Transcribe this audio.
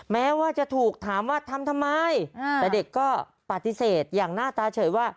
แม้ว่าจะถูกถามว่าทำทำไมแต่เด็กก็ปฏิเสธอย่างหน้าตาเฉยว่า